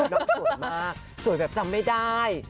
น้องสวยมากสวยแบบจำไม่ได้